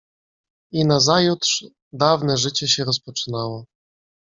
"I nazajutrz dawne życie się rozpoczynało."